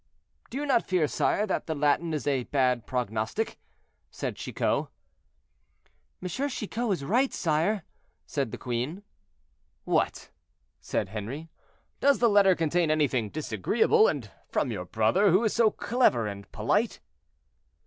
"Do you not fear, sire, that the Latin is a bad prognostic?" said Chicot. "M. Chicot is right, sire," said the queen. "What!" said Henri, "does the letter contain anything disagreeable, and from your brother, who is so clever and polite?"